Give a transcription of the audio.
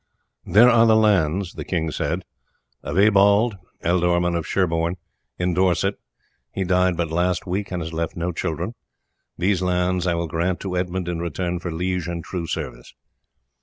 "There are the lands," the king said, "of Eabald, Ealdorman of Sherborne, in Dorset. He died but last week and has left no children. These lands I will grant to Edmund in return for liege and true service."